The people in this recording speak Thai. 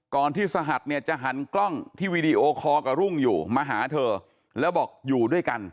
ก่อนที่สหัสเนี่ยจะหันกล้องที่วีดีโอคอลกับรุ่งอยู่มาหาเธอแล้วบอกอยู่ด้วยกัน